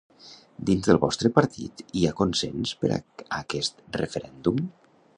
Dins del vostre partit hi ha consens per a aquest referèndum?